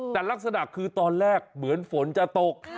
แต่ลักษณะคือตอนแรกเหมือนฝนจะตก